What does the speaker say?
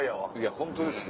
ホントですよ。